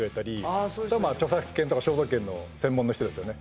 あそういう人が著作権とか肖像権の専門の人ですよね